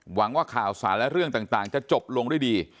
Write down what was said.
หวังว่าข่าวสารและเรื่องต่างจะจบลงด้วยดี